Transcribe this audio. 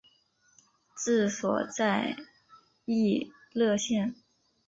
治所在溢乐县。